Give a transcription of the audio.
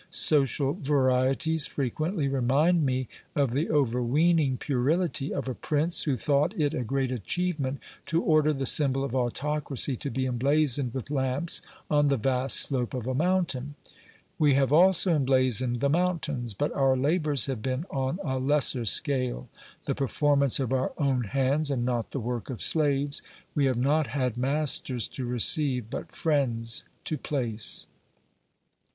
Social varieties frequently remind me of the overweening puerility of a prince who thought it a great achievement to order the symbol of autocracy to be emblazoned with lamps on the vast slope of a mountain. We have also emblazoned the mountains, but our labours have been on a lesser scale, the performance of our own hands and not the work of slaves j we have not had masters to receive, but friends to place.